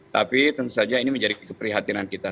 tapi tentu saja ini menjadi keprihatinan kita